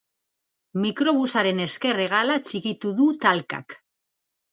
Mikrobusaren ezker hegala txikitu du talkak.